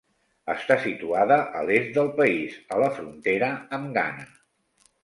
Està situada a l'est del país, a la frontera amb Ghana.